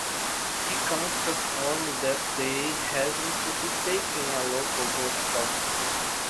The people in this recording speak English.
He couldn't perform that day, having to be taken to a local hospital.